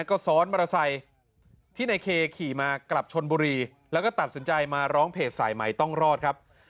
ก็ซ้อนมอเตอร์ไซค์ที่ในเคขี่มากลับชนบุรีแล้วก็ตัดสินใจมาร้องเพจสายใหม่ต้องรอดครับ